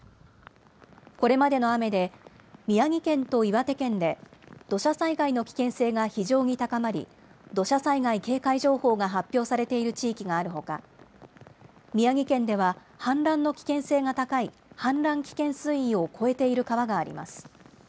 これまでの雨で宮城県と岩手県で土砂災害の危険性が非常に高まり土砂災害警戒情報が発表されている地域があるほか宮城県では氾濫の危険性が高い氾濫危険水位を超えている川があります。